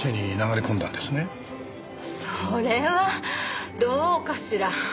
それはどうかしら。